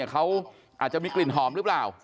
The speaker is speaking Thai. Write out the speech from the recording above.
เขาอาจจะมีกลิ่นหอมหรือเปล่า